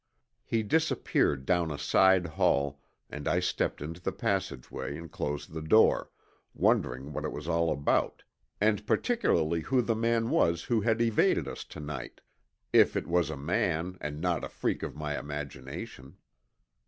He disappeared down a side hall and I stepped into the passageway and closed the door, wondering what it was all about, and particularly who the man was who had evaded us to night, if it was a man and not a freak of my imagination.